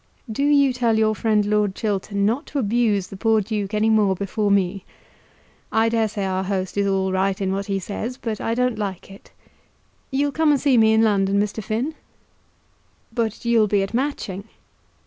Do you tell your friend Lord Chiltern not to abuse the poor Duke any more before me. I dare say our host is all right in what he says; but I don't like it. You'll come and see me in London, Mr. Finn?" "But you'll be at Matching?"